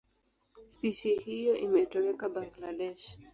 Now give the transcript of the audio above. Spishi hiyo imetoweka Bangladesh.